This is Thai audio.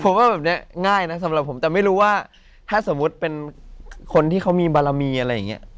ผมว่าแบบนี้ง่ายนะสำหรับผมแต่ไม่รู้ว่าถ้าสมมุติเป็นคนที่เขามีบารมีอะไรอย่างนี้